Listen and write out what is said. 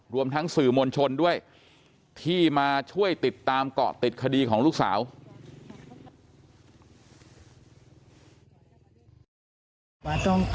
รวมทั้งสื่อมวลชนด้วยที่มาช่วยติดตามเกาะติดคดีของลูกสาว